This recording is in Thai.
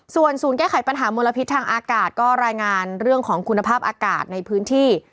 ส่วนศูนย์แก้ไขปัญหามลพิษทางอากาศก็รายงานเรื่องของคุณภาพอากาศในพื้นที่